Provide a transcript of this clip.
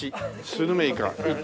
スルメイカ。